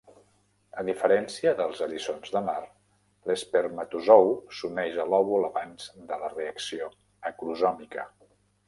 A diferència dels eriçons de mar, l'espermatozou s'uneix a l'òvul abans de la reacció acrosòmica.